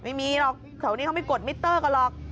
ไม่มีหรอกเขาอันนี้เขาไม่กดมิตเตอร์ก็หรอก